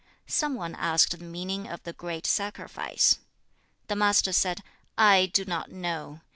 Some one asked the meaning of the great sacrifice. The Master said, 'I do not know.